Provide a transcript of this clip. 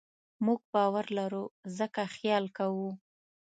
موږ باور لرو؛ ځکه خیال کوو.